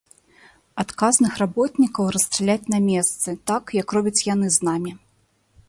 Адказных работнікаў расстраляць на месцы, так, як робяць яны з намі.